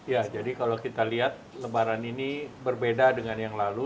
ya jadi kalau kita lihat lebaran ini berbeda dengan yang lalu